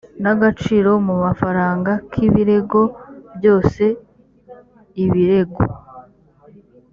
n agaciro mu mafaranga k ibirego byose ibirego